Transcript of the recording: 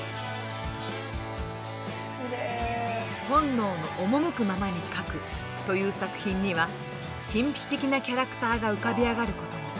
本能の赴くままに描くという作品には神秘的なキャラクターが浮かび上がることも。